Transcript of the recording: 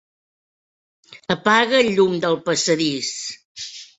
Apaga el llum del passadís.